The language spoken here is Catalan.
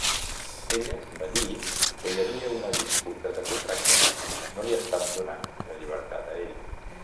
Ella va dir que hi havia una disputa de contracte; no li estaven donant la llibertat a ell.